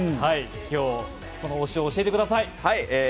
その推しを教えてください。